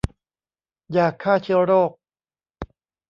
ยาฆ่าเชื้อโรค